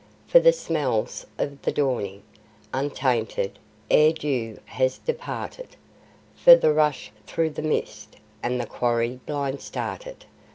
For the smells of the dawning, untainted, ere dew has departed! For the rush through the mist, and the quarry blind started!